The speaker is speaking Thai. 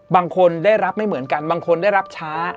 บางคนได้รับไม่เหมือนกันบางคนได้รับช้า